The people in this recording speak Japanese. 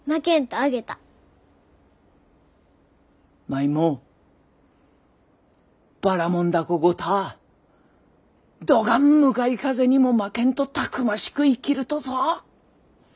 舞もばらもん凧ごたぁどがん向かい風にも負けんとたくましく生きるとぞ。